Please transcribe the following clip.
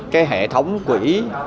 cái hệ thống quỹ